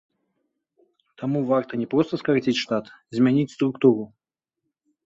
Таму варта не проста скараціць штат, змяніць структуру.